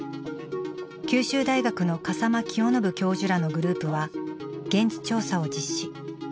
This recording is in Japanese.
九州大学の笠間清伸教授らのグループは現地調査を実施。